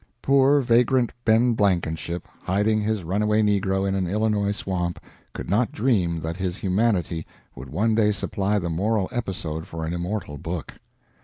Poor, vagrant Ben Blankenship, hiding his runaway negro in an Illinois swamp, could not dream that his humanity would one day supply the moral episode for an immortal book!